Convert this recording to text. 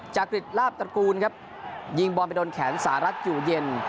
กริจลาบตระกูลครับยิงบอลไปโดนแขนสหรัฐอยู่เย็น